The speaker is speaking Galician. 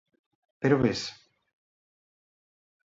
Pero ves?